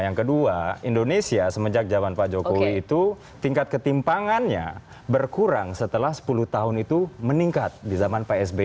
yang kedua indonesia semenjak zaman pak jokowi itu tingkat ketimpangannya berkurang setelah sepuluh tahun itu meningkat di zaman psb